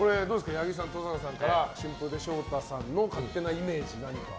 八木さん、登坂さんから春風亭昇太さんの勝手なイメージを何か。